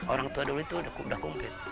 orang tua dulu itu sudah kumpir